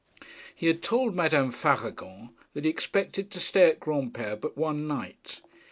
He had told Madame Faragon that he expected to stay at Granpere but one night.